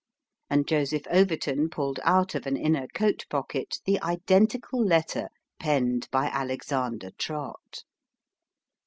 And Joseph Overton pulled out of an inner coat pocket the identical letter penned by Alexander Trott.